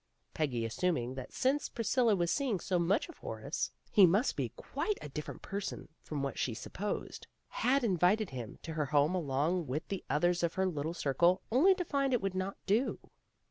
Peggy, assuming that since Priscilla was seeing so much of Horace, he must be quite a different person from what she supposed, had invited him to her home along with the others of her little circle, only to find it would not do.